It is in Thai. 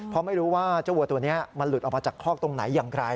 เพราะไม่รู้ว่าเจ้าวัวตัวนี้มันหลุดออกมาจากคอกตรงไหนอย่างไร